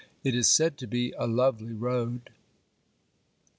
It is said to be a lovely road.